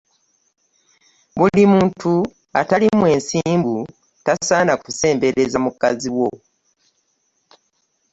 Buli muntu atali mwesimbu tasaana kusembereza mukazi wo.